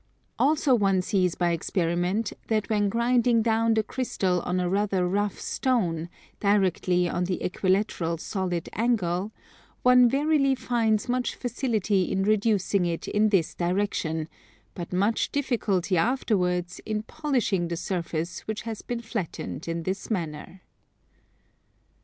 Also one sees by experiment that when grinding down the crystal on a rather rough stone, directly on the equilateral solid angle, one verily finds much facility in reducing it in this direction, but much difficulty afterwards in polishing the surface which has been flattened in this manner.